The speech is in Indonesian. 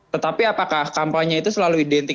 tetapi apakah kampanye itu selalu identik